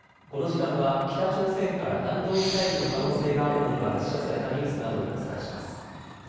この時間は北朝鮮から弾道ミサイルの可能性があるものが発射されたニュースなどをお伝えします。